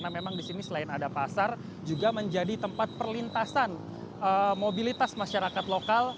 memang di sini selain ada pasar juga menjadi tempat perlintasan mobilitas masyarakat lokal